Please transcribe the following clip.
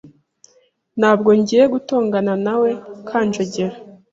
Ntabwo ngiye gutonganawe nawe Kanjongera .